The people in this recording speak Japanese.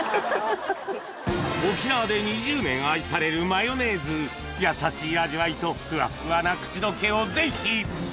沖縄で２０年愛されるマヨネーズやさしい味わいとふわっふわな口溶けをぜひ！